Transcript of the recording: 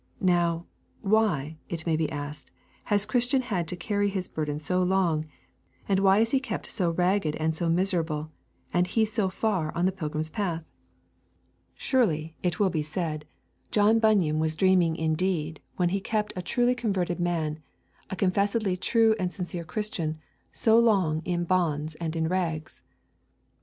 Now, why, it may be asked, has Christian had to carry his burden so long, and why is he still kept so ragged and so miserable and he so far on in the pilgrim's path? Surely, it will be said, John Bunyan was dreaming indeed when he kept a truly converted man, a confessedly true and sincere Christian, so long in bonds and in rags.